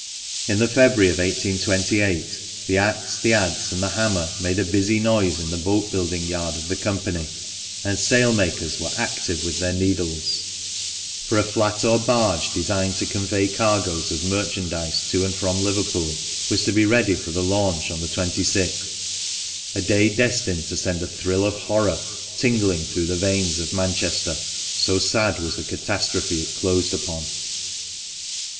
In the February of 1828, the axe, the adze, and the hammer made a busy noise in the boat building yard of the company, and sail makers were active with their needles ; for a flat or barge, destined to convey cargoes of merchandise to and from Liverpool, was to be ready for the launch on the 26th, a day destined to send a thrill of horror tingling through the veins of Manchester, so sad was the catastrophe it closed upon. 44° THE MANCHESTER MAN.